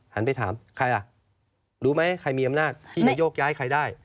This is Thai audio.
ไปถามใครล่ะรู้ไหมใครมีอำนาจที่จะโยกย้ายใครได้